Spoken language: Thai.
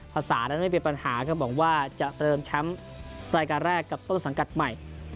ภาษานั้นไม่เป็นปัญหาครับบอกว่าจะเติมแชมป์รายการแรกกับต้นสังกัดใหม่